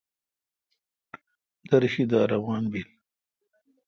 دِر شی دا روان بیل۔